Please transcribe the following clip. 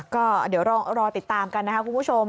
ก็เดี๋ยวรอติดตามกันนะครับคุณผู้ชม